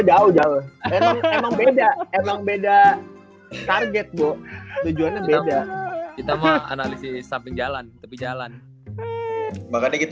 jauh jauh emang beda emang beda target bu tujuannya beda kita mah analisis samping jalan tepi jalan makanya kita